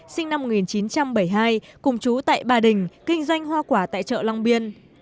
sinh năm một nghìn chín trăm bảy mươi hai cùng chú tại bà đình kinh doanh hoa quả tại chợ long biên